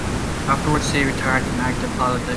Afterwards, he retired from active politics.